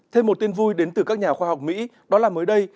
thêm một tin vui đến từ các nhà khoa học mỹ đó là mới đây